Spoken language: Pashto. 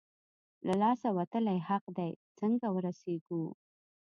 له لاسه وتلی حق دی، څنګه ورسېږو؟